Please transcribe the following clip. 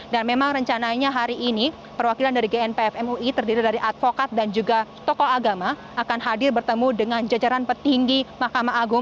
dan memang rencananya hari ini perwakilan dari gnpf mui terdiri dari advokat dan juga tokoh agama akan hadir bertemu dengan jajaran petinggi mahkamah agung